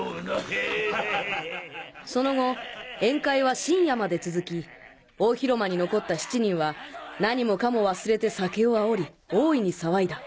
その後宴会は深夜まで続き大広間に残った７人は何もかも忘れて酒をあおり大いに騒いだ